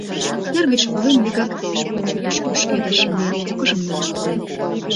Тер гыч волен, вигак пӧртыш ошкедыш, мыят погыжым нумал пурем.